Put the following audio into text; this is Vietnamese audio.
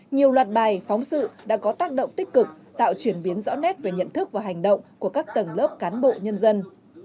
nhiều loạt bài phóng sự đã có tác động tích cực tạo chuyển biến rõ nét về nhận thức và hành động của các tầng lớp cán bộ nhân dân